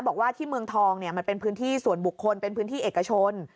บอกว่าที่เมืองทองมันเป็นพื้นที่ส่วนบุคคลเป็นพื้นที่เอกชน